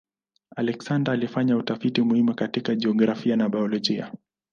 Alexander alifanya utafiti muhimu katika jiografia na biolojia.